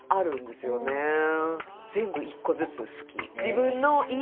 全部一個ずつ好き。